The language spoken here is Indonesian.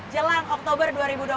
jelang oktober dua ribu dua puluh